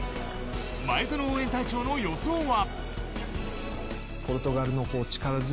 前園応援隊長の予想は。